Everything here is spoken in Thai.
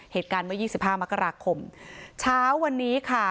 เหตุการณ์เมื่อยี่สิบห้ามกราคมช้าวันนี้ค่ะ